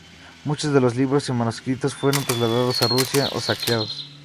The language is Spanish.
Muchos de los libros y manuscritos fueron trasladados a Rusia o saqueados.